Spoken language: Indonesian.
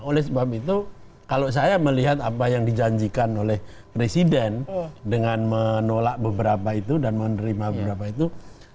oleh sebab itu kalau saya melihat apa yang dijanjikan oleh presiden dengan menolak beberapa itu dan menerima beberapa itu